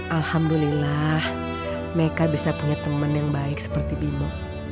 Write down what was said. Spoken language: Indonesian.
alhamdulillah meka bisa punya teman yang baik seperti bimu